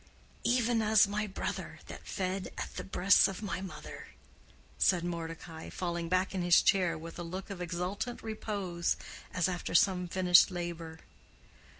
"Even as my brother that fed at the breasts of my mother," said Mordecai, falling back in his chair with a look of exultant repose, as after some finished labor.